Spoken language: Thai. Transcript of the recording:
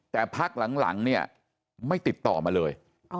แต่พักหลังเนี่ยไม่ติดต่อมาเลย